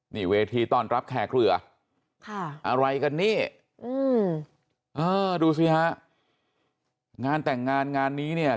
นี่เวทีตอนรับแขกเหลืออะไรกันนี่ดูสิฮะงานแต่งงานงานนี้เนี่ย